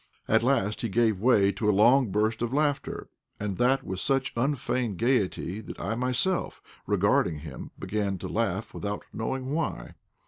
At last he gave way to a long burst of laughter, and that with such unfeigned gaiety that I myself, regarding him, began to laugh without knowing why.